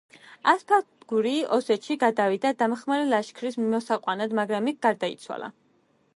ასფაგური ოსეთში გადავიდა დამხმარე ლაშქრის მოსაყვანად, მაგრამ იქ გარდაიცვალა.